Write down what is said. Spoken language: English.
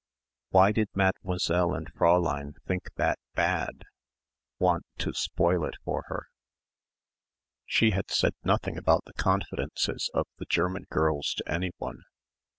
Why did Mademoiselle and Fräulein think that bad want to spoil it for her? She had said nothing about the confidences of the German girls to anyone.